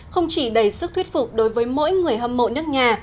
không chỉ đầy sức thuyết phục đối với mỗi người hâm mộ nước nhà